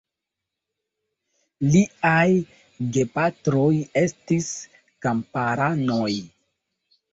Liaj gepatroj estis kamparanoj.